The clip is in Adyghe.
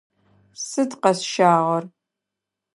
Сыд къэсщагъэр?